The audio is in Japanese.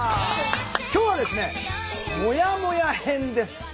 今日はですね「もやもや編」です。